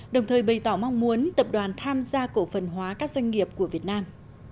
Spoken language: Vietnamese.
đồng thời bày tỏ mong muốn tập đoàn tham gia cổ phần hóa các doanh nghiệp của việt nam